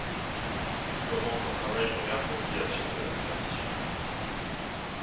Il commence un travail de réappropriation de la tradition.